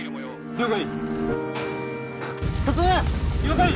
・了解！